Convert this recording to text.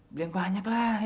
beli yang banyak lah